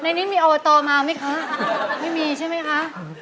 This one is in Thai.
ในนี้มีอบตมาไหมคะไม่มีใช่ไหมคะ